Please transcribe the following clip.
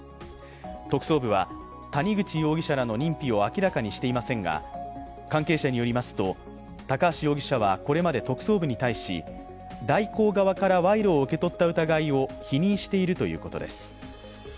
特捜部は谷口容疑者らの認否を明らかにしていませんが、関係者によりますと高橋容疑者はこれまで特捜部に対し、大広側から賄賂を受け取った疑いを否認しているということです。